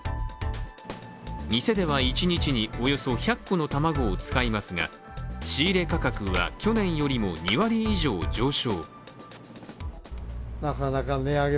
店では一日におよそ１００個の卵を使いますが仕入れ価格は去年より２割以上上昇。